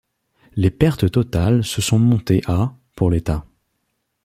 Les pertes totales se sont montées à pour l’État.